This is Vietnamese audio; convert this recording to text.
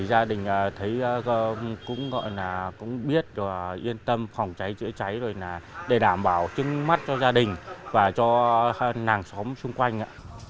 gia đình cũng biết yên tâm phòng cháy chữa cháy để đảm bảo chứng mắt cho gia đình và cho nàng xóm xung quanh